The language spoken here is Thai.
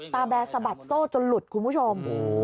แบร์สะบัดโซ่จนหลุดคุณผู้ชม